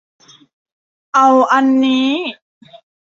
เอาอันนี้